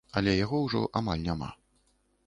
Але яго ўжо амаль няма.